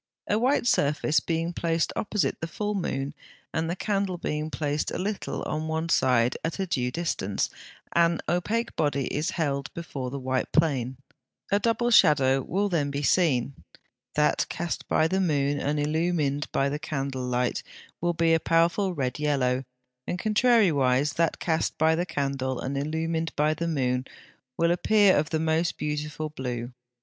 A white surface being placed opposite the full moon, and the candle being placed a little on one side at a due distance, an opaque body is held before the white plane, A double shadow will then be seen: that cast by the moon and illumined by the candle light will be a powerful red yellow; and contrariwise, that cast by the candle and illumined by the moon will appear of the most beautiful blue.